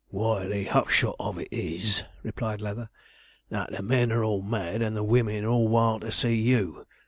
'Why, the hupshot of it is,' replied Leather, 'that the men are all mad, and the women all wild to see you.